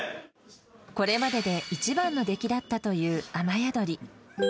これまでで一番の出来だったという雨やどり。